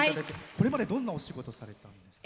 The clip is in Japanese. これまで、どんなお仕事されてるんですか？